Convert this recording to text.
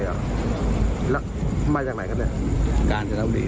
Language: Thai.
ที่หลับในมาจากไหนครับพี่